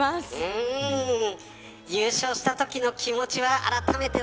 優勝したときの気持ちは。